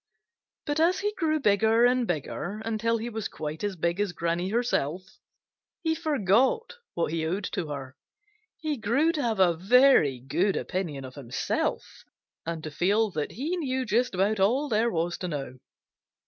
But as he grew bigger and bigger, until he was quite as big as Granny herself, he forgot what he owed to her. He grew to have a very good opinion of himself and to feel that he knew just about all there was to know.